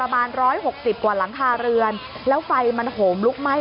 อ๋อมันแรงแล้วนี่